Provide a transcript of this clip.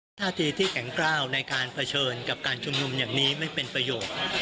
ท่าทีที่แข็งกล้าวในการเผชิญกับการชุมนุมอย่างนี้ไม่เป็นประโยชน์